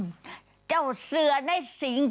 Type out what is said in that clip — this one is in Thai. ย่ายดาวข้าวอีย้าง